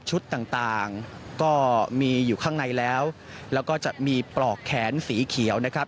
ต่างต่างก็มีอยู่ข้างในแล้วแล้วก็จะมีปลอกแขนสีเขียวนะครับ